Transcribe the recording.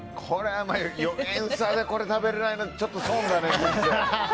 ４円差でこれ食べられないのはちょっと損だね。